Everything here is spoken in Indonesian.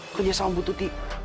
kerja sama ibu tuti